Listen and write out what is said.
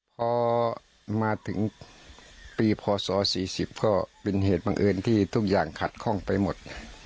พอมาถึงปีพศ๔๐ก็เป็นเหตุบังเอิญที่ทุกอย่างขัดข้องไปหมด